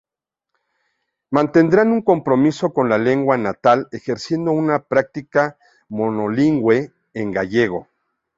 Mantendrán un compromiso con la lengua natal, ejerciendo una práctica monolingüe en gallego.